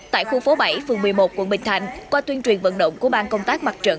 tại khu phố bảy phường một mươi một quận bình thạnh qua tuyên truyền vận động của bang công tác mặt trận